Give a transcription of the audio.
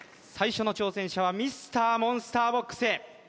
最初の挑戦者はＭｒ．モンスターボックス